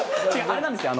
あれなんですよ。